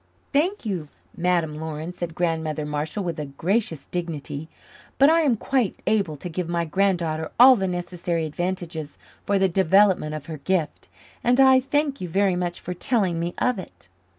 "Thank you, Madame Laurin," said Grandmother Marshall with a gracious dignity, "but I am quite able to give my granddaughter all the necessary advantages for the development of her gift. And I thank you very much for telling me of it."